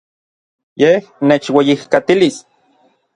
Yej nechueyijkatilis.